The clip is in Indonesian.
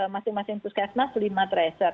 masing masing puskesmas lima tracer